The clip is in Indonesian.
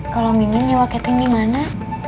kalau mimin sewa keteng di mana